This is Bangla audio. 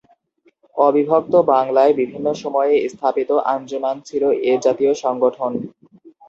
অবিভক্ত বাংলায় বিভিন্ন সময়ে স্থাপিত ‘আঞ্জুমান’ ছিল এ জাতীয় সংগঠন।